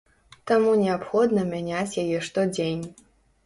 Таму неабходна мяняць яе штодзень.